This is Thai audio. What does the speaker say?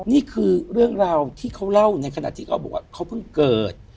นี่คือเรื่องราวที่เขาเล่าในขณะที่เขาบอกว่าเขาเพิ่งเกิด